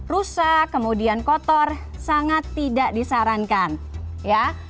rusak kemudian kotor sangat tidak disarankan ya